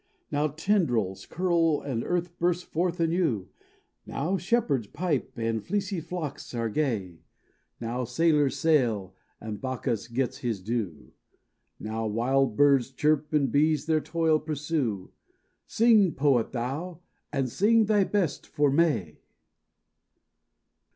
Now tendrils curl and earth bursts forth anew— Now shepherds pipe and fleecy flocks are gay— Now sailors sail, and Bacchus gets his due— Now wild birds chirp and bees their toil pursue— Sing, poet, thou—and sing thy best for May!